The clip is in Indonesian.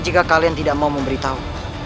jika kalian tidak mau memberitahu